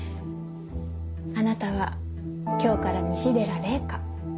あなたは今日から西寺麗華。